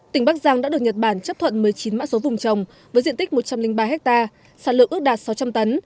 tỉnh bắc giang đã được nhật bản chấp thuận một mươi chín mã số vùng trồng với diện tích một trăm linh ba ha sản lượng ước đạt sáu trăm linh tấn